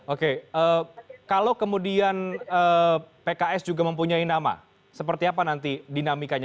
oke kalau kemudian pks juga mempunyai nama seperti apa nanti dinamikanya